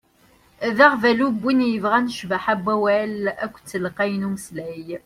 D aɣbalu i win yebɣan ccbaḥa n wawal akked telqayt n umeslay.